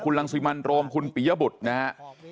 คุณรังสุยมันโรมคุณปียบุตรนะครับ